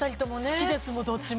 好きですどっちも。